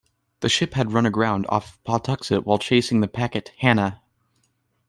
The ship had run aground off Pawtuxet while chasing the packet "Hannah".